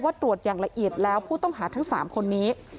ตรวจอย่างละเอียดแล้วผู้ต้องหาทั้ง๓คนนี้